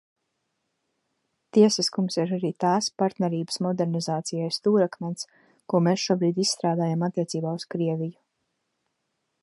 "Tiesiskums ir arī tās "Partnerības modernizācijai" stūrakmens, ko mēs šobrīd izstrādājam attiecībā uz Krieviju."